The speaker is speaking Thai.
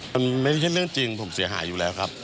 มันไม่ใช่เรื่องจริงผมเสียหายอยู่แล้วครับ